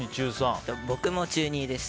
僕も中２です。